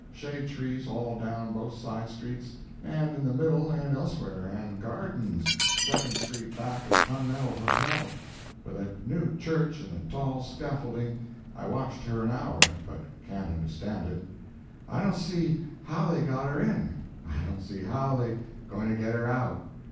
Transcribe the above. Shade trees all down both sides street, and in the middle and elsewhere, and gardens—second street back of Connental Hotel. With a new church in a tall scaffolding—I watched her an hour, but can't understand it. I don' see how they got her in—I don' see how they goin' to get her out.